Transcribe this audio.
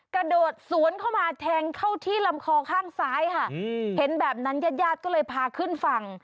กระโดดสวนเข้ามาแทงเข้าที่ลำคอข้างซ้ายค่ะเห็นแบบนั้นญาติญาติก็เลยพาขึ้นฝั่ง